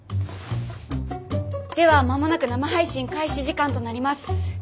では間もなく生配信開始時間となります。